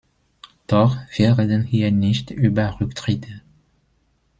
Doch wir reden hier nicht über Rücktritte!